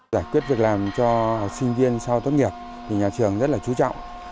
giải quyết việc làm cho sinh viên sau tốt nghiệp thì nhà trường rất là chú trọng